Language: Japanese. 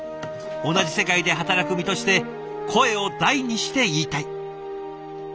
同じ世界で働く身として声を大にして言いたい。